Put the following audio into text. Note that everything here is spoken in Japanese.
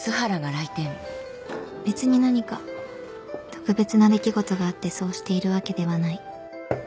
別に何か特別な出来事があってそうしているわけではない